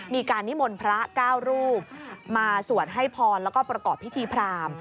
มีการนิมนต์พระเก้ารูปมาสวดให้พรแล้วก็ประกอบพิธีพราม